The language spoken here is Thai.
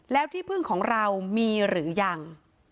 แล้วที่พึ่งของเรามีหรือยัง